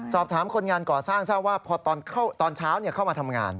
คนงานก่อสร้างทราบว่าพอตอนเช้าเข้ามาทำงาน